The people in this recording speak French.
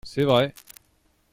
C’est vrai